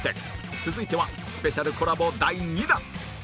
続いてはスペシャルコラボ第２弾